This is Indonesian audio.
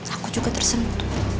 aku juga tersentuh